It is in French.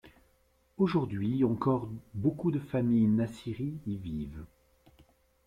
Aujourd'hui encore beaucoup de familles Naciri y vivent.